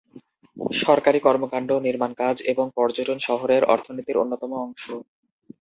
সরকারী কর্মকাণ্ড, নির্মাণকাজ এবং পর্যটন শহরের অর্থনীতির অন্যতম অংশ।